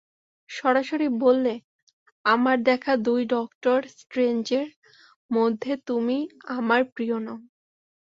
সরাসরি বললে, আমার দেখা দুই ডক্টর স্ট্রেঞ্জের মধ্যে তুমি আমার প্রিয় নও।